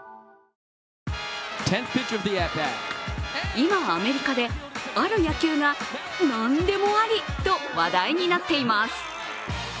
今、アメリカである野球が何でもありと話題になっています。